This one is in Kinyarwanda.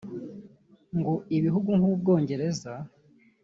ngo ibihugu nk’U Bwongereza